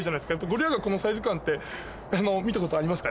ゴリラがこのサイズ感って見たことありますか？